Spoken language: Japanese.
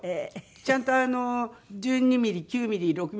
ちゃんと１２ミリ９ミリ６ミリ３ミリ。